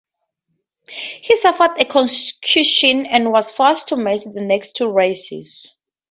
He suffered a concussion and was forced to miss the next two races.